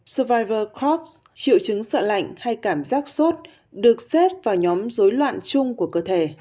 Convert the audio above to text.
survivor crofts triệu chứng sợ lạnh hay cảm giác sốt được xếp vào nhóm rối loạn chung của cơ thể